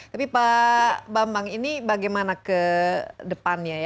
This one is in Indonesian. tapi pak bamang ini bagaimana ke depannya